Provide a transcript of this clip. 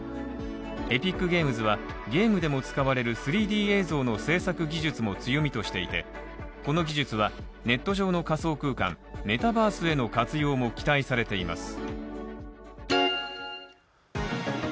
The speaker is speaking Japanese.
エピックゲームズは、ゲームでも使われる３Ｄ映像の制作技術も強みとしていてこの技術は、ネット上の仮想空間＝メタバースへの活用も期待されています。